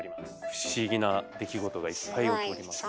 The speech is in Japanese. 不思議な出来事がいっぱい起こります。